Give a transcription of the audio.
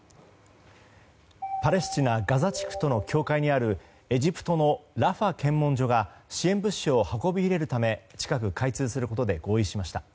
パレスチナガザ地区との境界にあるエジプトのラファ検問所が支援物資を運び入れるため、近く開通することで合意しました。